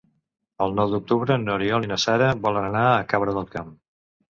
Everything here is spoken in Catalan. El nou d'octubre n'Oriol i na Sara volen anar a Cabra del Camp.